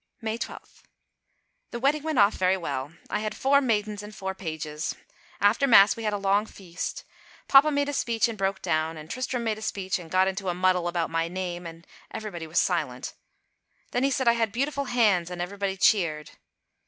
May 12. The wedding went off very well. I had four maidens and four pages. After Mass, we had a long feast. Papa made a speech and broke down, and Tristram made a speech and got into a muddle about my name, and everybody was silent. Then he said I had beautiful hands and everybody cheered.